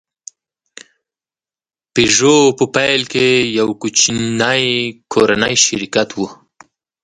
پيژو په پیل کې یو کوچنی کورنی شرکت و.